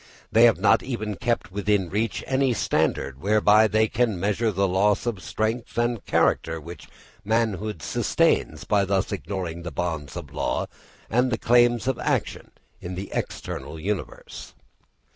They have not even kept within reach any standard whereby they can measure the loss of strength and character which manhood sustains by thus ignoring the bonds of law and the claims of action in the external universe.